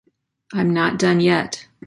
I'm not done yet.